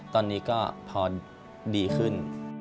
ตอนนี้ก็พอดีขึ้น